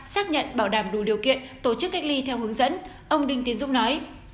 xác nhận bảo đảm đủ điều kiện tổ chức cách ly theo hướng dẫn ông đinh tiến dũng nói